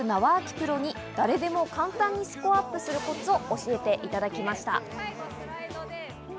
プロに誰でも簡単にスコアアップするコツを教えていただきました。